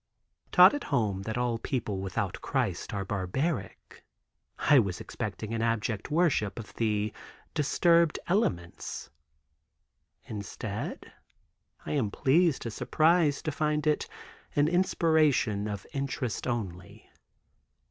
Taught at home that all people without Christ are barbaric, I was expecting an abject worship of the disturbed elements. Instead I am pleased as surprised to find it an inspiration of interest only.